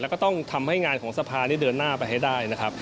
แล้วก็ต้องทำให้งานของสภานี่เดินหน้าไปให้ได้นะครับ